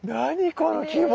この規模！